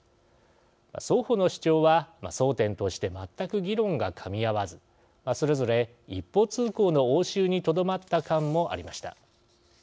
双方の主張は、争点として全く議論が、かみ合わずそれぞれ一方通行の応酬にとどまった観もありました。